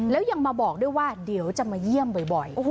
แล้วยังมาบอกด้วยว่าเดี๋ยวจะมาเยี่ยมบ่อย